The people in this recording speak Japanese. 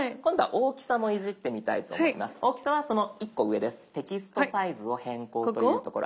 大きさはその１個上です。